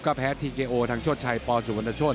ก็แพ้ทีเกโอทางโชชัยปสุวรรณโชธ